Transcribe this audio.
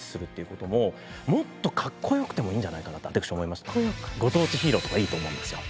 いやただご当地ヒーローとかいいと思うんですよ。